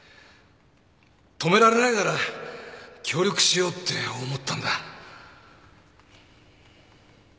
止められないなら協力しようって思ったんだ。